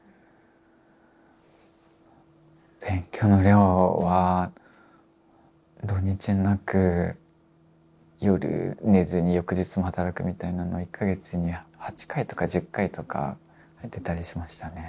勉強の量は土日なく夜寝ずに翌日も働くみたいなのは１か月に８回とか１０回とかやってたりしましたね。